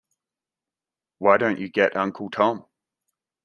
Why don't you get Uncle Tom?